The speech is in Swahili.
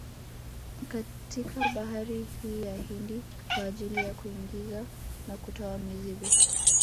Katika bahari hii ya Hindi kwa ajili ya kuingiza na kutoa mizigo